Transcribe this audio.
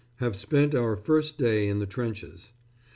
Have spent our first day in the trenches.